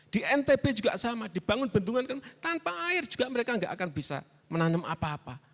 di ntb juga sama dibangun bendungan tanpa air juga mereka nggak akan bisa menanam apa apa